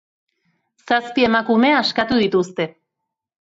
Zazpi emakume askatu dituzte.